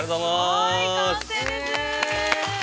◆はい、完成です。